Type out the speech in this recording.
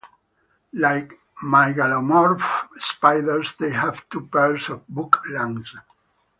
Like mygalomorph spiders, they have two pairs of book lungs.